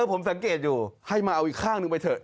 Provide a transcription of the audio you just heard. ผมสังเกตอยู่ให้มาเอาอีกข้างหนึ่งไปเถอะ